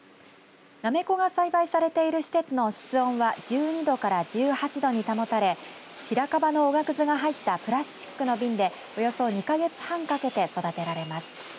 なめこが栽培されている施設の室温は１２度から１８度に保たれシラカバのおがくずが入ったプラスチックの瓶でおよそ２か月半かけて育てられます。